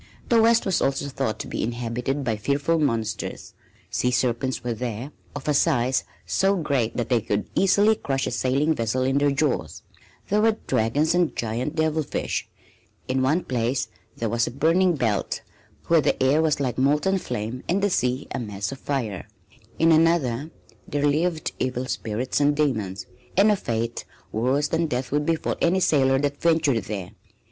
The west was also thought to be inhabited by fearful monsters. Sea serpents were there, of a size so great that they could easily crush a sailing vessel in their jaws; there were dragons and giant devil fish; in one place there was a burning belt, where the air was like molten flame and the sea a mass of fire; in another there lived evil spirits and demons, and a fate worse than death would befall any sailor that ventured there.